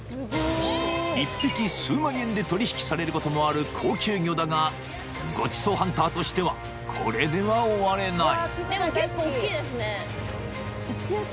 ［１匹数万円で取引されることもある高級魚だがごちそうハンターとしてはこれでは終われない］